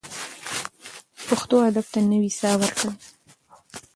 پښتو ادب ته نوې ساه ورکړئ.